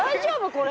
これ。